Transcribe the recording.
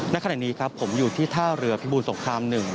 ณขณะนี้ครับผมอยู่ที่ท่าเรือพิบูรสงคราม๑